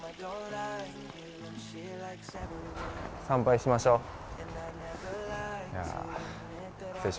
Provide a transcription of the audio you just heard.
参拝しましょう。